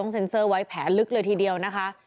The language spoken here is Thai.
เซ็นเซอร์ไว้แผลลึกเลยทีเดียวนะคะ